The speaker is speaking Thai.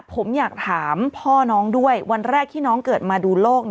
ผมอยากถามพ่อน้องด้วยวันแรกที่น้องเกิดมาดูโลก